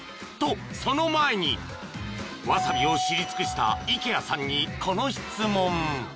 ［とその前にわさびを知り尽くした池谷さんにこの質問］